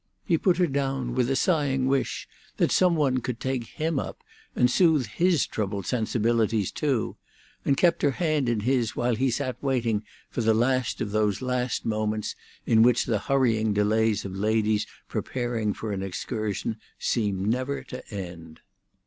He put her down with a sighing wish that some one could take him up and soothe his troubled sensibilities too, and kept her hand in his while he sat waiting for the last of those last moments in which the hurrying delays of ladies preparing for an excursion seem never to end.